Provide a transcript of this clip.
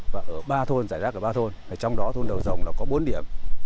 và ở ba thôn giải đáp ở ba thôn trong đó thôn đầu rồng có bốn điểm